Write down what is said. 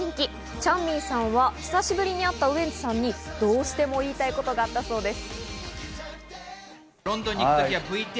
チャンミンさんは久しぶりに会ったウエンツさんにどうしても言いたいことがあったそうです。